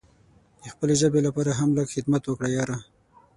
د خپلې ژبې لپاره هم لږ څه خدمت وکړه یاره!